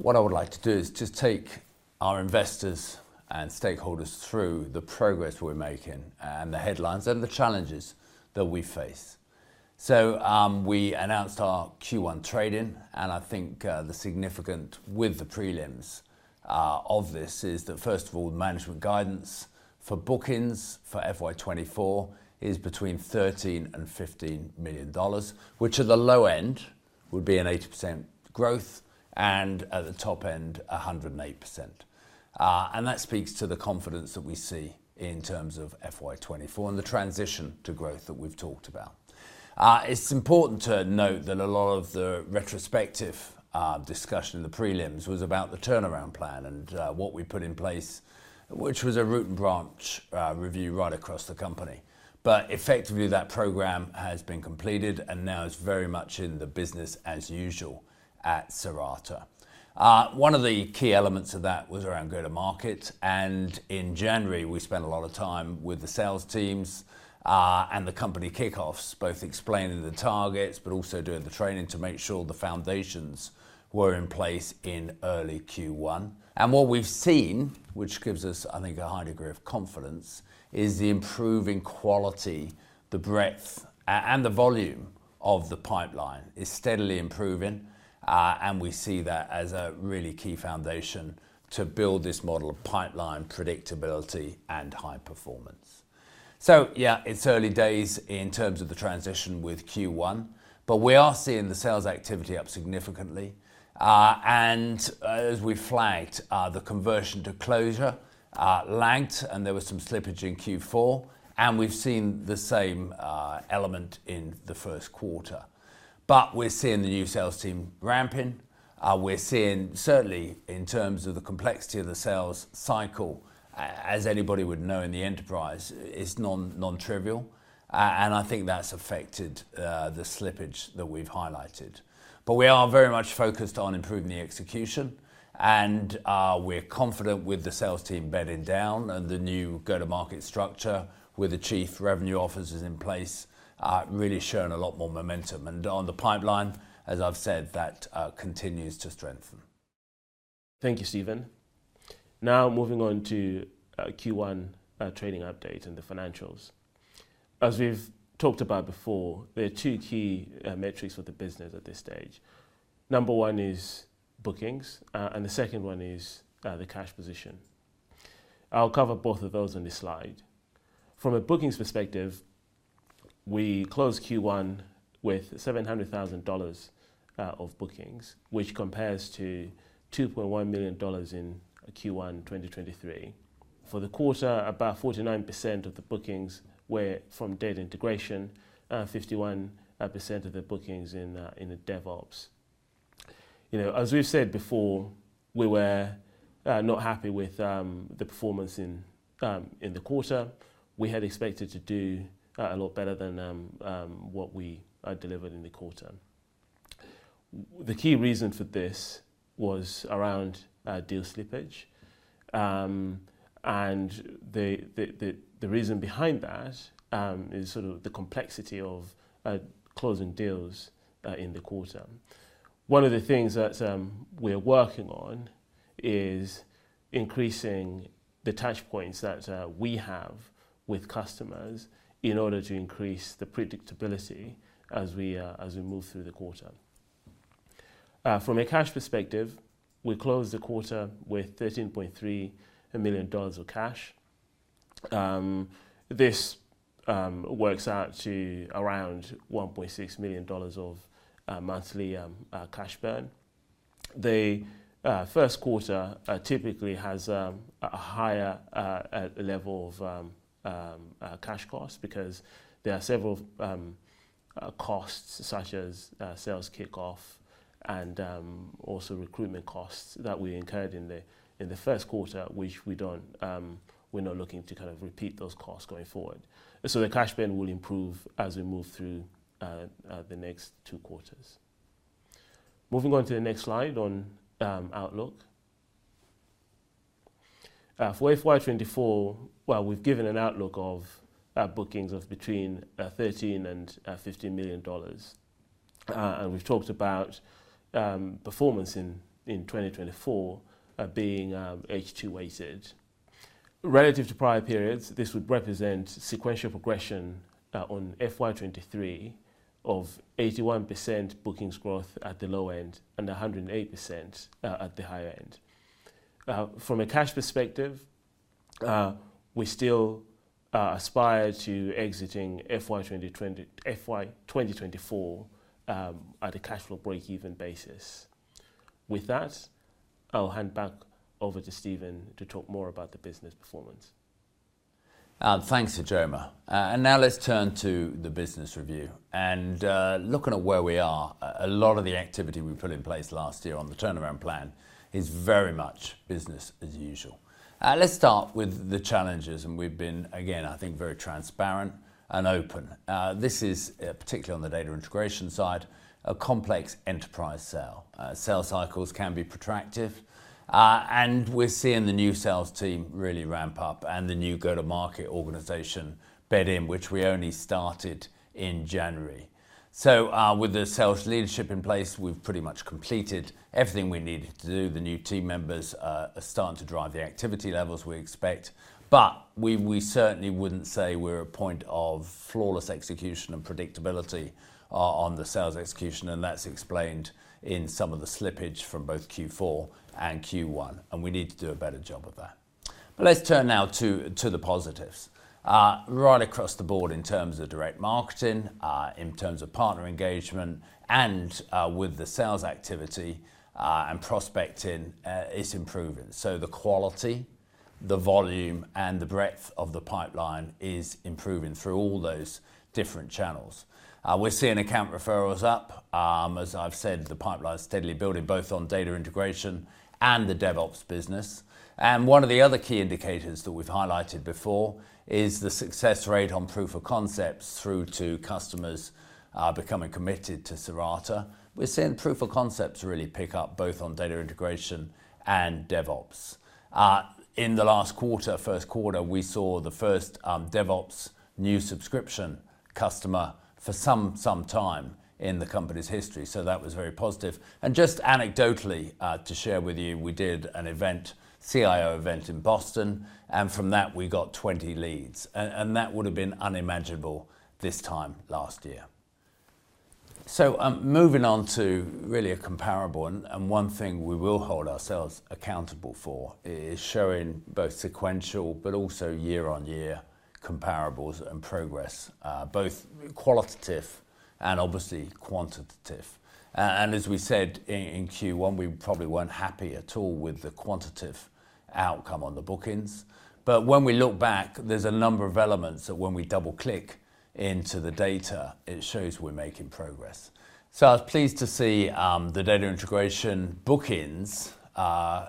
What I would like to do is just take our investors and stakeholders through the progress we're making, and the headlines, and the challenges that we face. So, we announced our Q1 trading, and I think, the significant with the prelims, of this is that, first of all, the management guidance for bookings for FY 2024 is between $13 million and $15 million, which at the low end would be an 80% growth, and at the top end, 108%. And that speaks to the confidence that we see in terms of FY 2024 and the transition to growth that we've talked about. It's important to note that a lot of the retrospective, discussion in the prelims was about the turnaround plan and, what we put in place, which was a root-and-branch review right across the company. But effectively, that program has been completed and now is very much in the business as usual at Cirata. One of the key elements of that was around go-to-market, and in January, we spent a lot of time with the sales teams, and the company kick-offs, both explaining the targets, but also doing the training to make sure the foundations were in place in early Q1. And what we've seen, which gives us, I think, a high degree of confidence, is the improving quality, the breadth, and the volume of the pipeline is steadily improving. And we see that as a really key foundation to build this model of pipeline predictability and high performance. So yeah, it's early days in terms of the transition with Q1, but we are seeing the sales activity up significantly. As we flagged, the conversion to closure lagged, and there was some slippage in Q4, and we've seen the same element in the first quarter. But we're seeing the new sales team ramping. We're seeing certainly in terms of the complexity of the sales cycle, as anybody would know in the enterprise, it's non-trivial. And I think that's affected the slippage that we've highlighted. But we are very much focused on improving the execution, and we're confident with the sales team bedded down and the new go-to-market structure, with the Chief Revenue Officers in place, really showing a lot more momentum. And on the pipeline, as I've said, that continues to strengthen. Thank you, Stephen. Now moving on to Q1 trading update and the financials. As we've talked about before, there are two key metrics for the business at this stage. Number one is bookings, and the second one is the cash position. I'll cover both of those on this slide. From a bookings perspective, we closed Q1 with $700,000 of bookings, which compares to $2.1 million in Q1 2023. For the quarter, about 49% of the bookings were from data integration, 51% of the bookings in the DevOps. You know, as we've said before, we were not happy with the performance in the quarter. We had expected to do a lot better than what we delivered in the quarter. The key reason for this was around deal slippage. And the reason behind that is sort of the complexity of closing deals in the quarter. One of the things that we're working on is increasing the touch points that we have with customers in order to increase the predictability as we move through the quarter. From a cash perspective, we closed the quarter with $13.3 million of cash. This works out to around $1.6 million of monthly cash burn. The first quarter typically has a higher level of cash costs because there are several costs, such as sales kickoff and also recruitment costs that we incurred in the first quarter, which we don't... We're not looking to kind of repeat those costs going forward. So the cash burn will improve as we move through the next two quarters. Moving on to the next slide on outlook. For FY 2024, well, we've given an outlook of bookings of between $13 million-$15 million. And we've talked about performance in 2024 being H2-weighted. Relative to prior periods, this would represent sequential progression on FY 2023 of 81% bookings growth at the low end and 108% at the high end. From a cash perspective, we still aspire to exiting FY 2024 at a cash flow breakeven basis. With that, I'll hand back over to Stephen to talk more about the business performance. Thanks, Ijoma. Now let's turn to the business review. Looking at where we are, a lot of the activity we put in place last year on the turnaround plan is very much business as usual. Let's start with the challenges, and we've been, again, I think, very transparent and open. This is, particularly on the data integration side, a complex enterprise sale. Sales cycles can be protracted, and we're seeing the new sales team really ramp up, and the new go-to-market organization bed in, which we only started in January. So, with the sales leadership in place, we've pretty much completed everything we needed to do. The new team members are starting to drive the activity levels we expect. But we certainly wouldn't say we're at a point of flawless execution and predictability on the sales execution, and that's explained in some of the slippage from both Q4 and Q1, and we need to do a better job of that. But let's turn now to the positives. Right across the board, in terms of direct marketing, in terms of partner engagement, and with the sales activity and prospecting, it's improving. So the quality, the volume, and the breadth of the pipeline is improving through all those different channels. We're seeing account referrals up. As I've said, the pipeline's steadily building, both on data integration and the DevOps business. And one of the other key indicators that we've highlighted before is the success rate on proof of concepts through to customers becoming committed to Cirata. We're seeing proof of concepts really pick up, both on data integration and DevOps. In the last quarter, first quarter, we saw the first DevOps new subscription customer for some time in the company's history, so that was very positive. Just anecdotally, to share with you, we did an event, CIO event, in Boston, and from that, we got 20 leads, and that would've been unimaginable this time last year. Moving on to really a comparable, and one thing we will hold ourselves accountable for is showing both sequential but also year-on-year comparables and progress, both qualitative and obviously quantitative. As we said in Q1, we probably weren't happy at all with the quantitative outcome on the bookings. But when we look back, there's a number of elements that when we double-click into the data, it shows we're making progress. So I was pleased to see the data integration bookings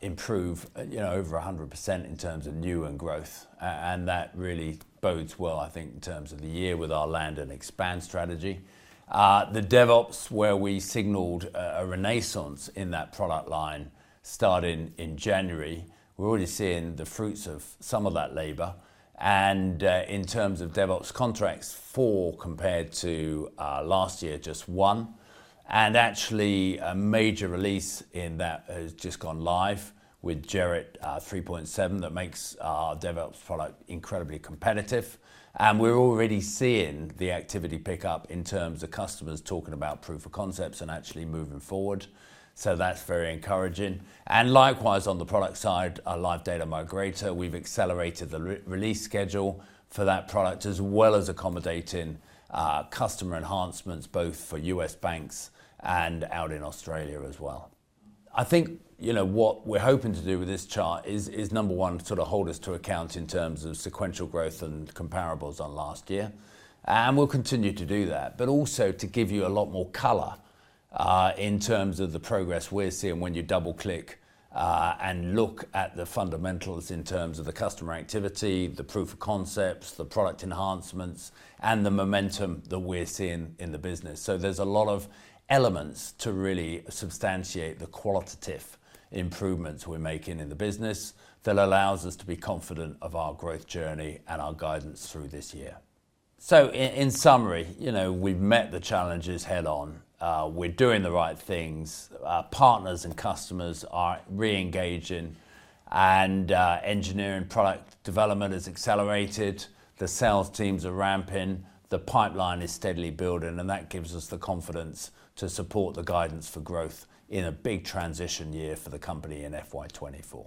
improve, you know, over 100% in terms of new and growth, and that really bodes well, I think, in terms of the year with our land and expand strategy. The DevOps, where we signaled a renaissance in that product line, starting in January, we're already seeing the fruits of some of that labor. And in terms of DevOps contracts, four compared to last year, just one, and actually, a major release in that has just gone live with Gerrit 3.7, that makes our DevOps product incredibly competitive. We're already seeing the activity pick up in terms of customers talking about proof of concepts and actually moving forward, so that's very encouraging. Likewise, on the product side, our Live Data Migrator, we've accelerated the re-release schedule for that product, as well as accommodating customer enhancements, both for U.S. banks and out in Australia as well. I think, you know, what we're hoping to do with this chart is number one, sort of hold us to account in terms of sequential growth and comparables on last year, and we'll continue to do that, but also to give you a lot more color in terms of the progress we're seeing when you double-click and look at the fundamentals in terms of the customer activity, the proof of concepts, the product enhancements, and the momentum that we're seeing in the business. So there's a lot of elements to really substantiate the qualitative improvements we're making in the business that allows us to be confident of our growth journey and our guidance through this year. So, in summary, you know, we've met the challenges head-on. We're doing the right things. Our partners and customers are re-engaging, and engineering product development has accelerated, the sales teams are ramping, the pipeline is steadily building, and that gives us the confidence to support the guidance for growth in a big transition year for the company in FY 2024.